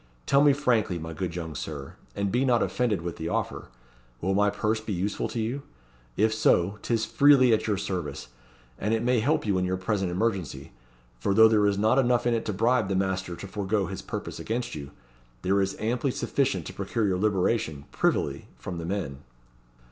Tell me frankly, my good young Sir and be not offended with the offer will my purse be useful to you? If so, 'tis freely at your service; and it may help you in your present emergency for though there is not enough in it to bribe the master to forego his purpose against you, there is amply sufficient to procure your liberation, privily, from the men."